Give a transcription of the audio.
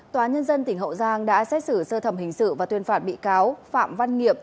tòa nhân dân tỉnh hậu giang đã xét xử sơ thẩm hình sự và tuyên phạt bị cáo phạm văn nghiệp